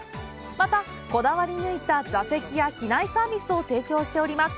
また、こだわり抜いた座席や機内サービスを提供しております。